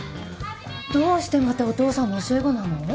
どうしてまたお父さんの教え子なの？